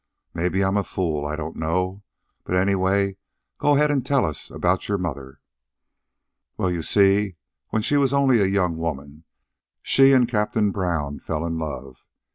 Mebbe I'm a fool, I don't know. But, anyway, go ahead an' tell us about your mother." "Well, you see, when she was only a young woman she and Captain Brown fell in love.